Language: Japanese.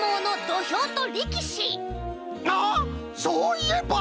あっそういえば！